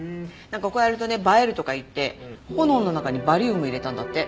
なんかこうやるとね映えるとかいって炎の中にバリウム入れたんだって。